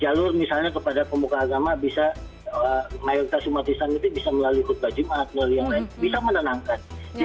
jalur misalnya kepada pemuka agama bisa mayoritas umatisan itu bisa melalui hukum baju mahat melalui yang lain bisa menenangkan